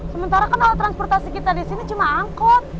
sementara kan alat transportasi kita di sini cuma angkot